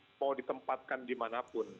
mau ditempatkan dimanapun